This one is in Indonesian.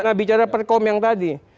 nggak bicara perkom yang tadi